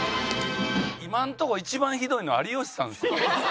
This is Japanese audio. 今のとこ一番ひどいの有吉さんですよ。